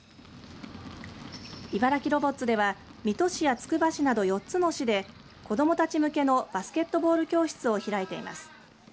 茨城ロボッツでは水戸市やつくば市など４つの市で子どもたち向けのバスケットボール教室を開いています。